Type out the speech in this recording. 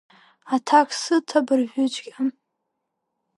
Аҭак сыҭ абыржәыҵәҟьа!